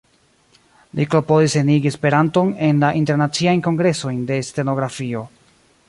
Li klopodis enigi Esperanton en la internaciajn kongresojn de stenografio.